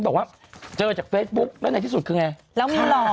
เป็นลูกสาวเลยเหรอ